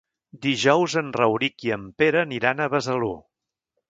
Dijous en Rauric i en Pere aniran a Besalú.